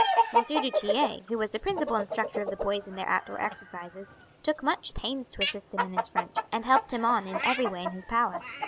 M. du Tillet, who was the principal instructor of the boys in their outdoor exercises, took much pains to assist him in his French, and helped him on in every way in his power.